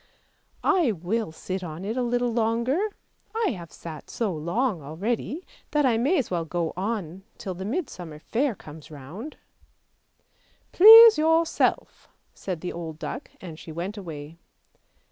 " I will sit on it a little longer, I have sat so long already, that I may as well go on till the Midsummer Fair comes round." " Please yourself," said the old duck, and she went away.